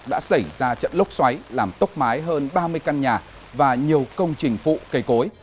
đã xảy ra trận lốc xoáy làm tốc mái hơn ba mươi căn nhà và nhiều công trình phụ cây cối